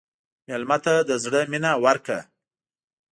مېلمه ته د زړه مینه ورکړه.